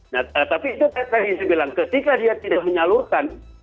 nah tapi itu saya tadi saya bilang ketika dia tidak menyalurkan